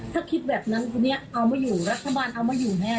ถ้าคิดแบบนั้นเอามาอยู่รัฐบาลเอามาอยู่แม่